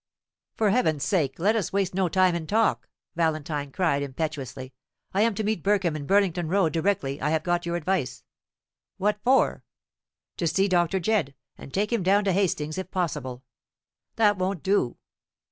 "For Heaven's sake let us waste no time in talk!" Valentine cried, impetuously. "I am to meet Burkham in Burlington Row directly I have got your advice." "What for?" "To see Dr. Jedd, and take him down to Hastings, if possible." "That won't do."